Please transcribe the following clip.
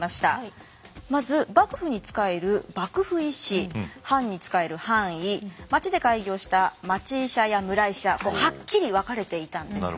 まず幕府に仕える幕府医師藩に仕える藩医町で開業した町医者や村医者はっきり分かれていたんですね。